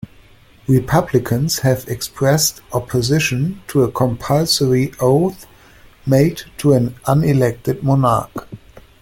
Republicans have expressed opposition to a compulsory oath made to an unelected monarch.